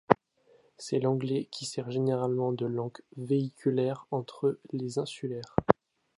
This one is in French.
C'est l'anglais qui sert généralement de langue véhiculaire entre les insulaires.